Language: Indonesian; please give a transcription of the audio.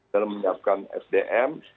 dan menyiapkan sdm